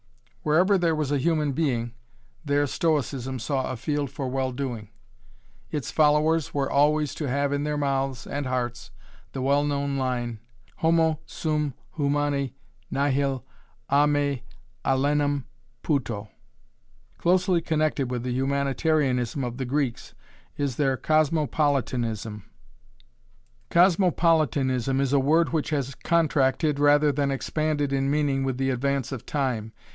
Wherever there was a human being, there Stoicism saw a field for well doing. Its followers were always to have in their mouths and hearts the well known line Homo sum humani nihil a me allenum puto Closely connected with the humanitarianism of the Greeks is their cosmopolitanism. Cosmopolitanism is a word which has contracted rather than expanded in meaning with the advance of time.